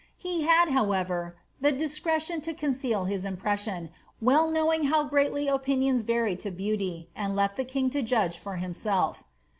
''* He liad, however, the diacretion to conceal his impreaaion, well knowing how greatly opinions vary as to beauty, and left the king to judge far himself.